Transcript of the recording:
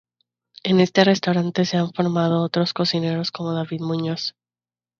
En este restaurante se han formado otros cocineros como David Muñoz.